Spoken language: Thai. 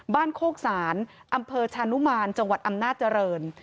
บ้านโคกษารอำเภอชานุมารจังหวัดอำนาจรณ